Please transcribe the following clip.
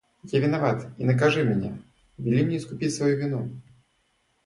Я виноват, и накажи меня, вели мне искупить свою вину.